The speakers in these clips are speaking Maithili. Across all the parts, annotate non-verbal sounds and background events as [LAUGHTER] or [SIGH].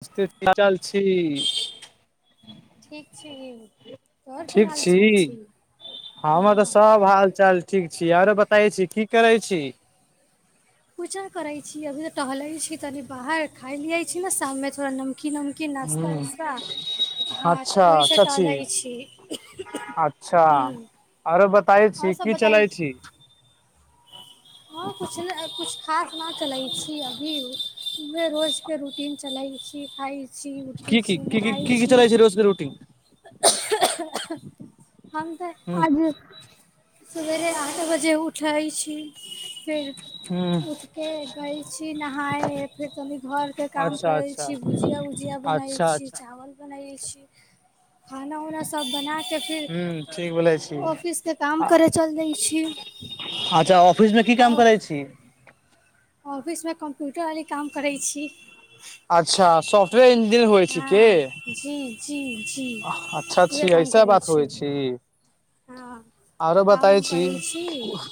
[UNINTELLIGIBLE] बचल छी ठीक छी तोहर की हाल-चाल छी हमर तऽ हँ सब हाल- चाल ठीक छी आरो बताई छी की करै छी पूजा करै छी अभी तऽ टहलै छी तनी बाहर खाय लियै छी न शाम ने थोड़ा नमकीन उमकी नाश्ता ह वास्ता हँ अच्छा तऽ ओहिसँ अच्छा टाल लागै छी अच्छा हूँ आरो बताइ छी की चलै छी हँ कुछ कुछ खास ना चलै छी अभी इहे रोजके रूटीन चलै छी, खाइ छी, उठी की की छी, की की नहाय की की छी चलै छै रूटीन हम तऽ ह आज सवेरे आठ बजे उठै छी फेर ह उठके जै छी नहाय फिर तनि घरके काम अच्छा करैत छी अच्छा छी भुजिया -ऊजिया बनाय अच्छा छी, अच्छा चावल बनाइ छी। खाना उना सब बनाके फिर ह ठीक बोलै छी ऑफिस के काम करै चलि जाय छी अच्छा ऑफिस मऽ की काम करै छी ऑफिस मऽ कम्प्यूटर वाले काम करै छी अच्छा सब े इंजिनीयर होइ छै कि हँ जी जी जी उहे अच्छा-अच्छा काम ऐसा करै बात होइ छी हँ आरो काम उम बताइ छी करै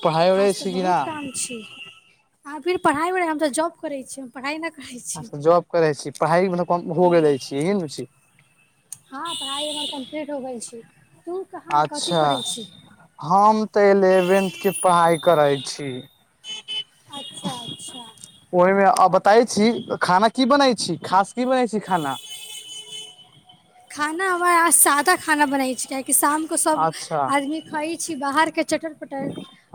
पढ़ाइ उढ़ै आज तऽ छी कि बहुत नऽ काम छी आ फेर पढ़ाइ-वढ़ाइ हम तऽ जॉब करै छी पढ़ाइ नऽ करै छी जॉब करै छी पढ़ाइ म कम हो हँ गेले छी यही ने छै हँ पढ़ाइ हमर कम्प्लीट हो गेल छी तू कहाँ कथी अच्छा पढ़ै छी हम तऽ एलेवेन्थके पढ़ाई करैत छी अच्छा अच्छा ओहिमे आ बताै छी खाना की बनै छी खास की बनै छी खाना खाना हमरा सादा खाना बनै छै कियाकि शामके सब अच्छा आदमी खाइ छी बाहरके चटर- पटल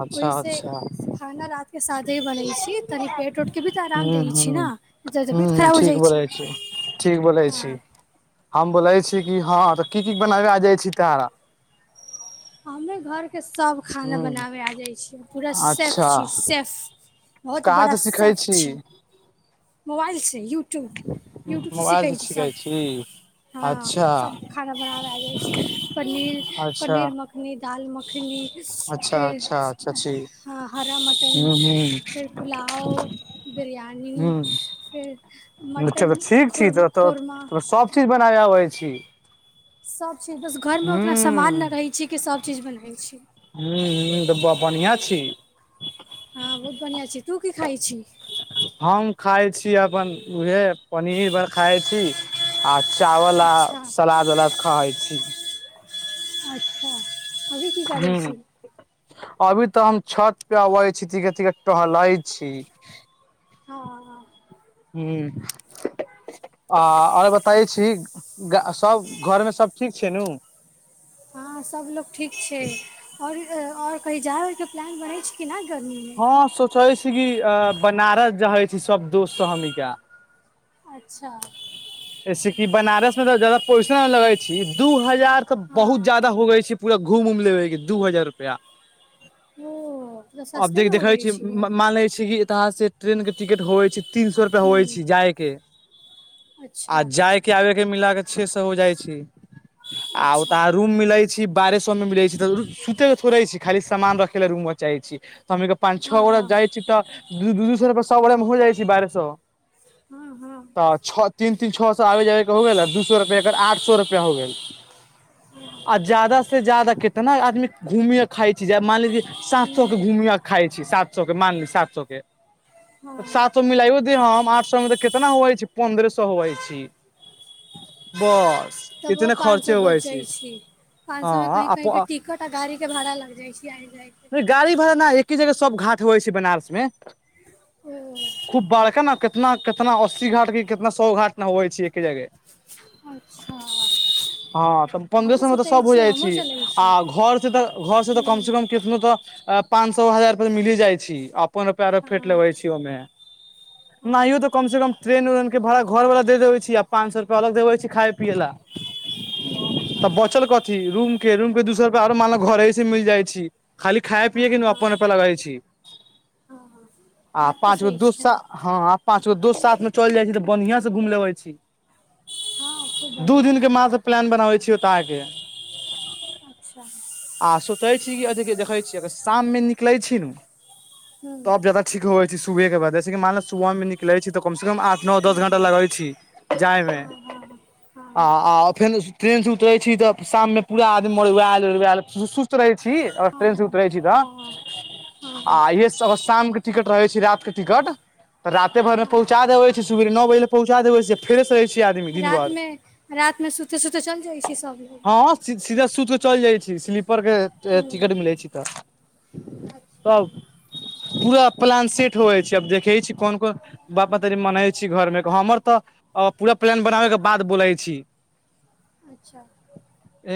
अच्छा ओहिसँ अच्छा खाना रात के सादे बनै छी तनि पेट- उटके भी तऽ आराम हूँ दै छी हूँ नऽ तबियत हूँ खराब हो ठीक जाइ बोलै छै छी ठीक बोलै हँ छी हम बोलै छी कि हँ तऽ की की बनाबा जाइ छी तोरा हमर घरके सभ खाना हूँ बनाबै आ जाइ छी पूरा सेफ अच्छा छी सेफ बहुत कहाँ बड़ा से सिखै सेफ छी मोबाइलसँ यूट्यूब यूट्यूबसँ मोबाइल सीखै से छी सभ सिखै हँ अच्छा सब खाना बनाबै आ जाइ छी पनीर अच्छा पनीर मखनी फिर दाल मखनी अच्छा फिर अच्छा अच्छा छी हरा मटन हूँ हूँ फेर पुलाव बिरयानी हूँ फेर मटन ठीक छी खुर खुरमा तऽ सभ चीज बनाबे आ अबै छी सभ चीज बस घरमे ओतना समामान हूँ नहि रहै छी कि सभ चीज बनबै छी हू हु तऽ बढ़िआं छी हँ बहुत बढ़िआँ छी तू की खा छी हम खाय छी अपन उहे पनीर भर खाय छी आ चावल आ अच्छा सलाद उलाद खाइ छी अच्छा अभी की हू करै छी अभी तऽ हम छत पे अबै छी तीे तीे टहलाई छी हँ हँ हु आ आओर बताै छी गा सभ घरमे सभ ठीक छी नु हँ सबलोग ठीक छै ओर ओर कही जाइके प्लान बनै छै कि नय गर्मी मे हँ सोचैय छी की अ बनारस जहे छी सब दोस्त से हमिका अच्छा जैसे कि बनारस में तऽ जदा पोसन लगे छै दू हजार तऽ बहुत हँ ज्यदा हो गई छी पूरा घूम उम लेबेगी दू हजार रुपैया ओ तऽ अब सस्तेमे देख हो देखै जाइ छी छै मान लैइ छी कि तहा से ट्रेन के टिकट होइ छै तीन सए रुपैया होवइ हूँ छै जाय के आ अच्छा जाय के आबे के मिलाक छ सौ सहो जाइ छै आ ओत अच्छा रूम मिलैय छी बारहसौ मे मिलै छै तऽ सुते के थोड़े छी खाली सामान रखे ल रूम मे चाहै छी तऽ हमनी के पाँच हँ छओ गोे हँ जाइ छी तऽ दू दू दू सए रुपैया स गोे मे हो जाइ छै बारह सए हँ हँ तऽ छओ तीन तीन छओ सए आबै जाबै के हो गेल आ दू सए रुपैआ एकर आठ सए रुपआ हो गेल आ ज्यादा से ज्यादा कते ने आदमी घुमिय खाइ छी मान ल सात सए के हूँ घूमिय खाइ छी सात सए के मान ली सात सए के हँ सात सए मिलायो देहम आठ सए मे त कितना होवइ छी पन्द्रह सए होवइ छी बस तबो इतने पाँच खर्चे सए होवै बचइ छी पाच सौ मे कही हँ कहीं टिकट आ गाड़ी के भाड़ा लग जाय छै आब जाय के गाड़ी भाड़ा ना एके जगह सब घाट होइ छै बनारस मे ओ खूब बड़का न क कितना कितना अस्सी घाट कि कितना सए घाट नहोैय छीय एके जगह अच्छा हं त तो पंद्रह हमहूँ सौ मे तऽ सोचै सभ होइ छियै जाइ हमहूँ छै चलै छी आ घर से तऽ घर से त कम हूँ से कम किसनो तऽ पान सौ हजार रुपिया मिलही जाइ छी अपन रूपिया आरो हँ फेंट हँ लेबय छी ओ मे हूँ नाहियो त कम से कम ट्रेन वेन भाड़ा घरवला दे देबे छी आ पान सौ अलग देबय छी खाइ पीबय ले त बचल कथी रुमके रूम के दु सौ रुपिआ आरो घरे स मिल जाइ छी खाली खाइए पिअइ के हँ ना हँ अपन अपन लागइ छी हँ हँ आ बात तऽ पाँच गो सही दू छै सए हँं पाँच गो दोस्त साथ मे चोल जाइ छी तऽ बढ़िया सें घूम लेबै छी हँ खूब दू दिनके बढ़िआँसँ मात्रा प्लान बनाबै छीय ओतऽ आके अच्छा आ सोचै छी कि अ देखै छीय अगर शाम मे निकलैइ छी नू हूँ तब जादा ठीक होइ छै सुबहे के बाद जैसे मानलब सुबहमे निकलै छै तऽ कमसँ कम आठ नौ दस घ़ंटा लागय छी जाइमे आ आ आ फेनू से ट्रेन सं उतरै छी त शाममे पूरा आदमी मरुआइल लुलुआइल सुत [UNINTELLIGIBLE] छी ट्रेन सं उतरै छी त टिकट रहय छै रातके टिकट त राते भरमे पहुंचा देबय छै सुबेरे नौ बजे पहुंचा देबय छै फेरो सं दै छै आदमी दिन रात भर मे रात मे सुते सुते चल जाइ छै सब लोग हँ सीधा सुतके चल जाइ छी स्लीपर के अ अ टिकट मिलय छै तऽ तब पूरा प्लान सेट होबइ छी अब देखहे छी कोन ओकरा बाप मतारी मानय छी घरमे कह हमर त पूरा प्लान बनाबे के बाद बुलाइ छी अच्छा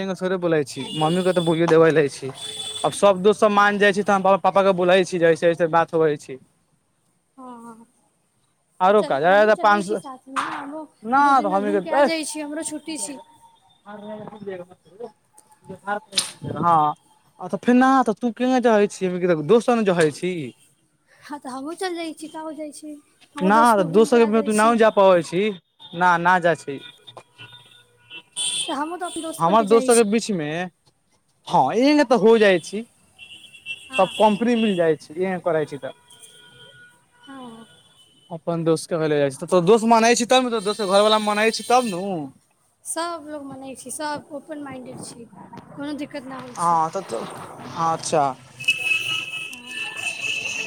एगो थोरी बोलाइ छी मम्मी के त बोलियो देबे लागि जाइ छी आब सब दोस सब हँ मान जाइ छै तऽ हम पापा के बोलै छी जे ऐसे ऐसे बात होबे छी हं हं हं त आरो का चलू जादा हमहूँ जादा पाँच चलैत छी सौ साथमे हमहूँ ना दू दिनले घूम के आ जाइ छी हमरो छुट्टी छी [UNINTELLIGIBLE] हॉं अच्छा फेना त तू क्यों जाइ छी दोस संगे रहय छी हं त हमहुं चल जाइ छी कहां हो जाइ छी हमहूँ ना दोस्तमे दोस घूमिके सके आ बे जाइ तू ना छी जा पाबै छी ना ना जाइ छी तऽ हमहूँ तऽ अपन दोस्तके हमरा ले दोस जाइ सबके छी बीच मे हा एंगा त हो जाइ छी हँ तब कम्पनी मिल जाइ छी ई हम करय छी त हं अपन दोस के ल जाइ छी त तों दोस मानय छी तब न दोसके घरवला मानै छी तब नू सब लोग मानय छी सभ ओपन माइंडेड छी कोनो दिक्कत ना होइ हँ छी तऽ अच्छा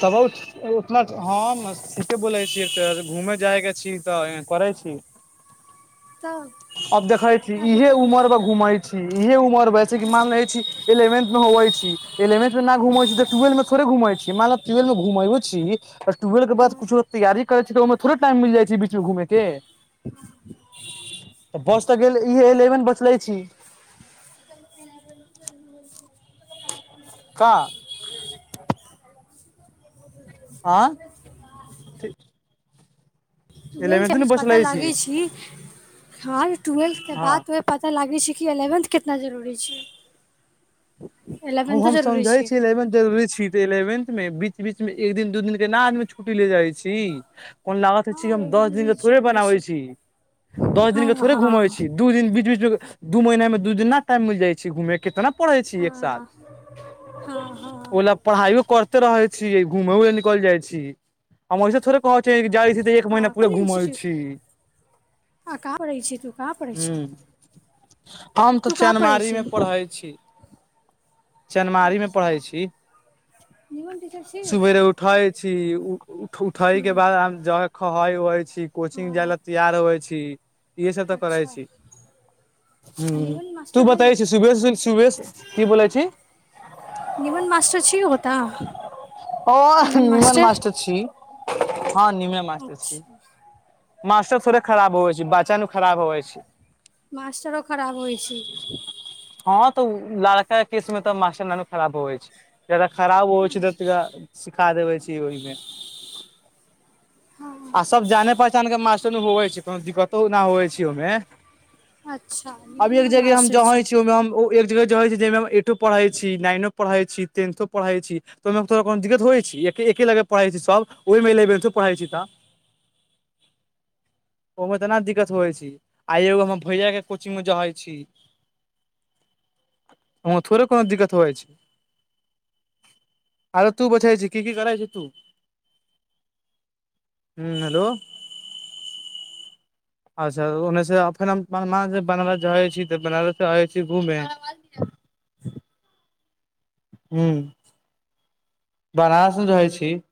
त बहुत उतना हम स के बोलै छि त घुम जाइ के छी त करय छी तब अब देखय छी का इहे दिक्कत होइ उमर मे छै घूमै छी इहे उमर मे बस हँ मानय छी इलेवेंथ में होवै छी इलेंथ मे ना घूम छी त ट्वेल्व मे थोड़े घूमै छी मानल ट्वेल्व मे घुमयो छी आ ट्वेल्भ के बाद हँ कुछो तैयारी करै छै त ओइमे थोड़े टाइम मिल जाइ छै बीचमे घूम के त बस त गेलय ई एलेवन बचले छी [UNINTELLIGIBLE] हाँ आँ तुएल के बीज पता लागै छी हं ट्वेल्थ के हँ बादमे पता लागै छै कि एलेवेन्थ केतना जरूरी छै ओ एलेवेन्थो हम जरूरी समझै छै छी एलेवेंथ जरुरी छी इलेवेथ मे बीच बीच मे एक दिन दू दिन के ना आदमी छुट्टी ले जाइ छी कौन लागत हय छै हँ हम एक दस दिन के रील थोड़े चलि जाइ बनाबै छी दस हँ दिन के थोड़े हँ घूमै हँ छी दू दिन बीच बीच मे दू महिना मे दू दिना टाइम मिल जाइ छै घूमे के केतना पढ़ै छी एक साल हँ हँ ओला पढ़ाइयो करते रहे छी घूमेय ले निकल जाइ छी हम वहिस थोड़े पहुच जाइ छी तऽ एक महीना हँ पूरा घूमै छी हां कहां पढ़ाई छि तु कहां पढ़य ह छि हम त चनमारी छी मे पढ़ै छी चनमारी मे अच्छा पढ़ै छी निमन टीचर छी। सुबेरे उठय छी उठय के हूँ बाद आ ज खै ओइ छी कोचिंग जाय हँ ल तैयार होइ छी इहे सब तऽ करै अच्छा छी आ ह निमन तू मास्टर हइ बताय छी ओतऽ सुभेरे श की बोलै छी निमन मासटर छी ओटा ह निमन मास्टर छी हँ निमन मास्टर छी अच्छा मास्टर थोड़े खराब होेय छै बच्चा न खराब होे छै मास्टरो खराब होइ छी हँ तऽ उ लड़का केँ केस मे तऽ मास्टर नऽ नू खराब होबैय छै ज्यादा खराब होइ छै तऽ तेकरा सिखा देबै छी ओहि ओरीमे हँ आ सब जाने पहचान केँ मास्टर होवे छै कोनो दिक्कतो नय होबै छै ओमे अच्छा निमन अभी एक निमन जगह हम मास्टर छै जहै छी ओहिमे हम ओ एक जगह जै छै जाहिमे हम अइटो पढ़ाई छी नाइनो पढ़ाई छी टेन्थो पढ़ाई छी तऽ ओहिमे तोरा कोनो दिक्कत होइ छै एके - एके लगे पढ़ै छै सब ओहिमे इलेवेन्थो पढ़ैइ छी तऽ ओमे एतेना दिक्कत होइ छै आइ एगो हमर भैया केँ कोचिंग मे जैहे छी ओमे थोड़े कोनो दिक्कत होय छै अबै तु बताय की की करइ छै तू हुँ हेलो अच्छा ओन्ने से फेर हम बनारस जाइ छी तऽ बनारस से आय छी घूमे हुँ बनारस नऽ रहै छी